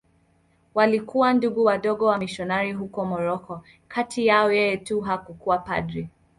Walikuwa Ndugu Wadogo wamisionari huko Moroko.Kati yao yeye tu hakuwa padri.